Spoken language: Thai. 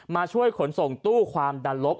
มาช่วยขนส่งตู้ความดันลบ